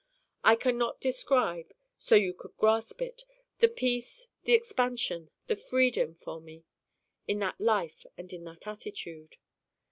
I can not describe so you could grasp it the peace, the expansion, the freedom for me in that life and in that attitude.